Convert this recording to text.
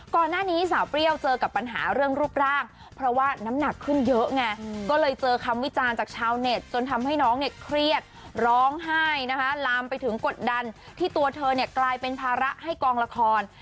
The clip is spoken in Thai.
ก่อนหน้านี้สาวเปรี้ยวเจอกับปัญหาเรื่องรูปร่างเพราะว่าน้ำหนักขึ้นเยอะไงก็เลยเจอคำวิจารณ์จากชาวเน็ตจนทำให้น้องเนี่ยเครียดร้องไห้นะคะลามไปถึงกดดันที่ตัวเธอเนี่ยกลายเป็นภาระให้กองละคร